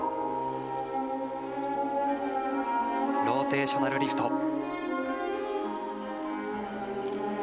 ローテーショナルリフト。